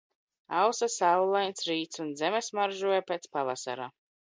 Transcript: Ausa saulains rīts un zeme smaržoja pēc pavasara